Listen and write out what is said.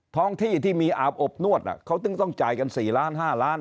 ท้องที่ที่มีอาบอบนวดเขาจึงต้องจ่ายกัน๔ล้าน๕ล้าน